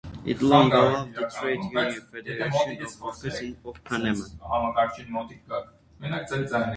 It long controlled the Trade Union Federation of Workers of Panama.